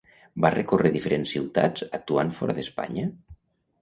Va recórrer diferents ciutats actuant fora d'Espanya?